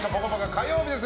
火曜日です。